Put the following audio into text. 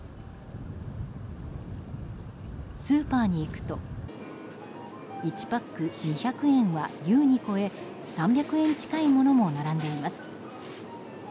スーパーに行くと１パック２００円は優に超え３００円近いものも並んでいます。